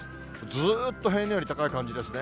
ずっと平年より高い感じですね。